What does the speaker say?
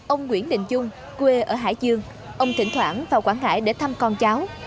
ông nguyễn định trung quê ở hải dương thỉnh thoảng vào quảng ngãi để thăm con cháu